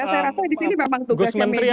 saya rasa di sini memang tugasnya media juga gitu ya